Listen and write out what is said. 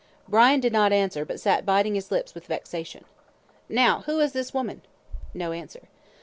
Brian did not answer, but sat biting his lips with vexation. "Now, who is this woman?" No answer.